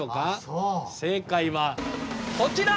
正解はこちら！